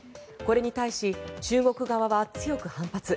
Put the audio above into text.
これに対し、中国側は強く反発。